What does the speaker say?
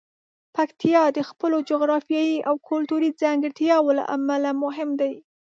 پکتیا د خپلو جغرافیايي او کلتوري ځانګړتیاوو له امله مهم دی.